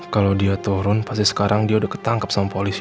kalau dia turun pasti sekarang dia udah ketangkep sama polisi